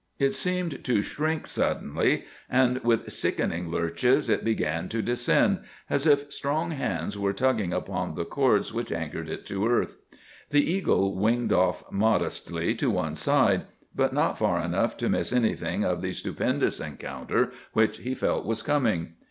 It seemed to shrink suddenly; and with sickening lurches it began to descend, as if strong hands were tugging upon the cords which anchored it to earth. The eagle winged off modestly to one side, but not far enough to miss anything of the stupendous encounter which he felt was coming.